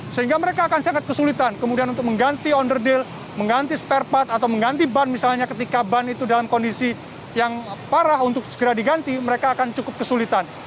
sehingga mereka akan sangat kesulitan kemudian untuk mengganti onder deal mengganti spare part atau mengganti ban misalnya ketika ban itu dalam kondisi yang parah untuk segera diganti mereka akan cukup kesulitan